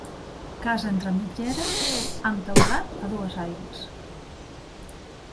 Casa entre mitgeres amb teulat a dues aigües.